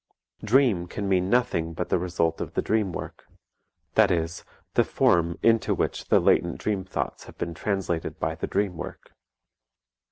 "Dream" can mean nothing but the result of the dream work, that is, the form into which the latent dream thoughts have been translated by the dream work.